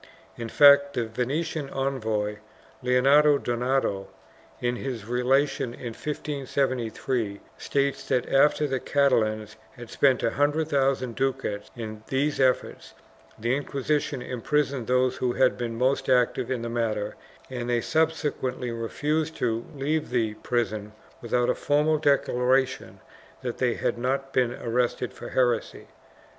In fact, the Venetian envoy, Leonardo Donato, in his relation of 1573, states that, after the Catalans had spent a hundred thousand ducats in these efforts, the Inquisition imprisoned those who had been most active in the matter and that they subsequently refused to leave the prison without a formal declaration that they had not been arrested for heresy.